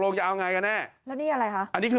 ลูกค้าสาวคนนั้นแล้วมันจะมาตบทำร้าย